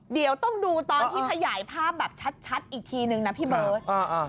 เดี๋ยวต้องดูตอนที่ขยายภาพแบบชัดอีกทีนึงนะพี่เบิร์ต